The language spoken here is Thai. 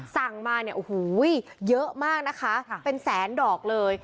สั่งมาเนี่ยโอ้โหเยอะมากนะคะเป็นแสนดอกเลย